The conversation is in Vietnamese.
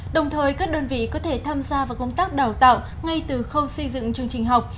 đồng thời các đơn vị có thể tham gia vào công tác đào tạo ngay từ khâu xây dựng chương trình học